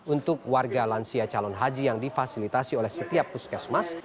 untuk warga lansia calon haji yang difasilitasi oleh setiap puskesmas